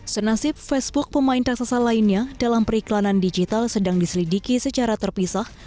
senasib facebook pemain raksasa lainnya dalam periklanan digital sedang diselidiki secara terpisah